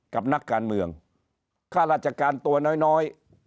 กับนักการเมืองข้ารัจจัดการตัวน้อย